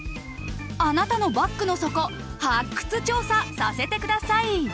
あなたのバッグの底発掘調査させてください！